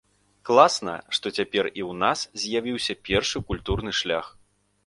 Класна, што цяпер і ў нас з'явіўся першы культурны шлях.